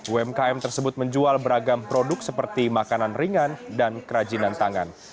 umkm tersebut menjual beragam produk seperti makanan ringan dan kerajinan tangan